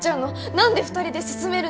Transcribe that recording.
何で２人で進めるの？